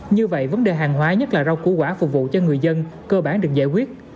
như vậy vấn đề hàng hóa nhất là rau củ quả phục vụ cho người dân cơ bản được giải quyết